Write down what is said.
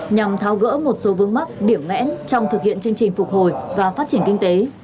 nhằm tháo gỡ một số vướng mắt điểm ngẽn trong thực hiện chương trình phục hồi và phát triển kinh tế